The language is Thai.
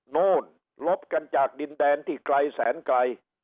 โน่นลบกันจากดินแดนที่ไกลแสนไกล